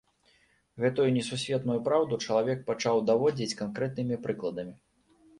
Гэтую несусветную праўду чалавек пачаў даводзіць канкрэтнымі прыкладамі.